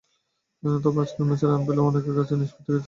তবে আজকের ম্যাচে রান পেলেও অনেকের কাছেই নিষ্প্রভ ঠেকেছে সাকিবের ব্যাটিং।